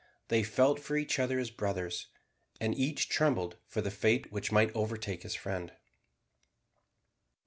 They felt for each other as brothers, and each trembled for the fate which might overtake his friend.